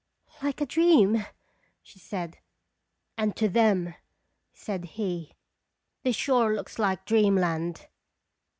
" Like a dream !" she said. "And to them," said he, "this shore looks like dreamland."